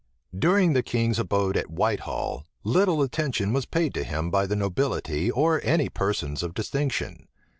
During the king's abode at Whitehall, little attention was paid to him by the nobility or any persons of distinction.